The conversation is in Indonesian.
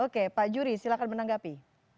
oke pak juri silahkan menanggapi